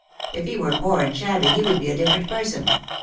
If he were poor and shabby he would be a different person.